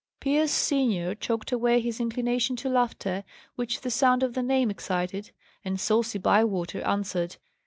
Pierce senior choked away his inclination to laughter, which the sound of the name excited, and saucy Bywater answered.